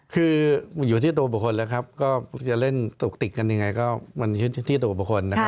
คืออยู่ที่ตัวบุคคลแล้วครับก็จะเล่นตุกติกกันยังไงก็มันอยู่ที่ตัวบุคคลนะครับ